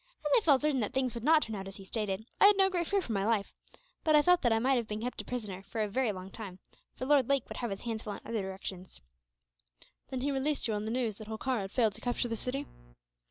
As I felt certain that things would not turn out as he stated, I had no great fear for my life; but I thought that I might have been kept a prisoner for a very long time, for Lord Lake would have his hands full in other directions." "Then he released you on the news that Holkar had failed to capture the city?"